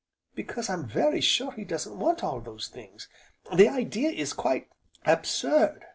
"Because I'm very sure he doesn't want all those things, the idea is quite absurd!